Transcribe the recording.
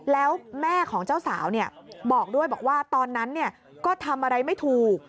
แล้วแม่ของเจ้าสาวบอกด้วยบอกว่าตอนนั้นก็ทำอะไรไม่ถูก